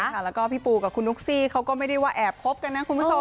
แล้วก็พี่ปูกับคุณนุ๊กซี่เขาก็ไม่ได้ว่าแอบคบกันนะคุณผู้ชม